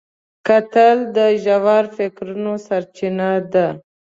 کتل د ژور فکرونو سرچینه ده